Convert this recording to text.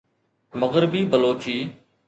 مغربي بلوچي